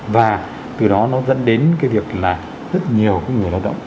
và từ đó nó dẫn đến cái việc là rất nhiều người hoạt động